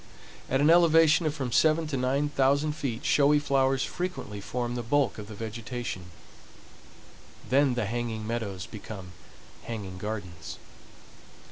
At an elevation of from seven to nine thousand feet showy flowers frequently form the bulk of the vegetation; then the hanging meadows become hanging gardens.